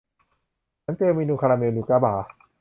ฉันเจอเมนูคาราเมลนูก้าบาร์